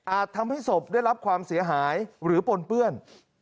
ทำให้ศพได้รับความเสียหายหรือปนเปื้อน